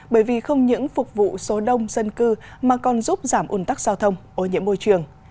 bởi vì không những phục vụ số đông dân cư mà còn giúp giảm ủn tắc giao thông ô nhiễm môi trường